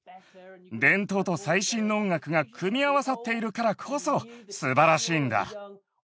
伝統と最新の音楽が組み合わさっているからこそ、すばらしいんだ。